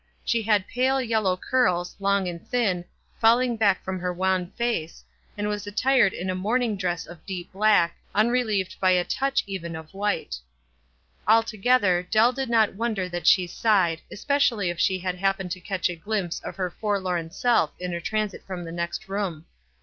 She had pale, yellow curls, long ana thin, fall 298 WISE ASTD OTHERWISE. ing back from her wan face, and was attired in a morning dress of deep black, unrelieved by a touch even of white. Altogether, Dell did not wonder that she sighed, especially if she had happened to catch a glimpse of her forlorn self in her transit from the next room.